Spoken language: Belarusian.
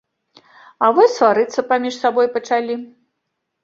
А вось сварыцца паміж сабою пачалі.